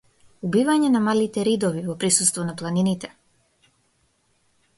Убивање на малите ридови во присуство на планините.